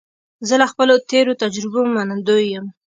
زه له خپلو تېرو تجربو منندوی یم.